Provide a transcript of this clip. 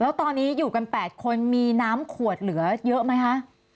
แล้วตอนนี้อยู่กัน๘คนมีน้ำขวดเหลือเยอะไหมคะ